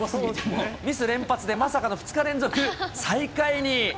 ミス連発でまさかの２日連続最下位に。